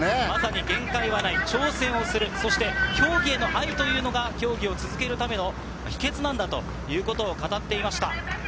まさに限界はない、挑戦をする競技への愛というのが競技を続けるための秘訣なんだと語っていました。